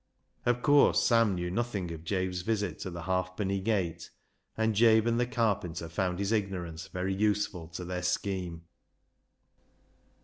Of course, Sam knew nothing of Jabe's visit to the Halfpenny Gate, and Jabe and the carpenter found his ignorance very useful to their scheme.